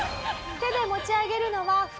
手で持ち上げるのは不可能。